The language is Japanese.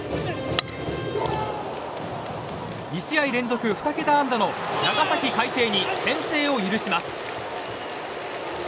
２試合連続２桁安打の長崎・海星に先制を許します。